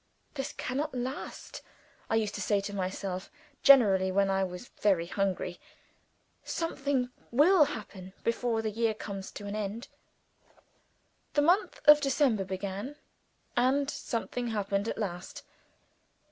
"This cannot last," I used to say to myself generally when I was very hungry. "Something will happen before the year comes to an end." The month of December began; and something happened at last.